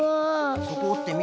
そこおってみる。